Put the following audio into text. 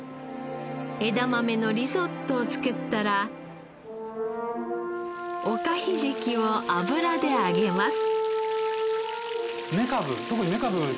枝豆のリゾットを作ったらおかひじきを油で揚げます。